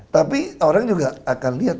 tapi orang juga akan lihat